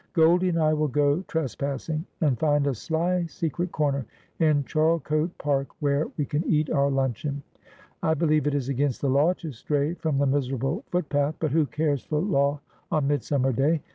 G oldie and I will go trespassing, and find a sly secret corner in Charlecote Park where we can eat our luncheon. I believe it is against the law to stray from the miserable footpath ; but who cares for law on Mid summer day